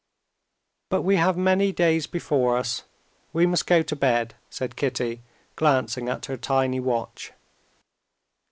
"But we have many days before us; we must go to bed," said Kitty, glancing at her tiny watch.